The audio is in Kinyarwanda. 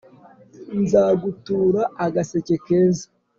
Nzagutura agaseke keza